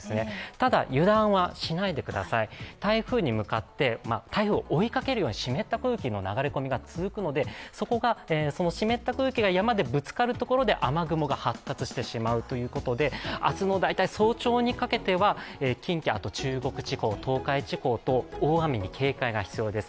ただ油断はしないでください、台風に向かって、台風を追いかけるように湿った空気の流れ込みが続くので湿った空気が、山でぶつかるところで雨雲が発達してしまうということで、明日の大体早朝にかけては近畿、あと中国地方、東海地方、大雨に警戒が必要です。